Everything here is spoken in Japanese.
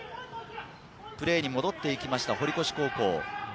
プレーに戻ってきました堀越高校。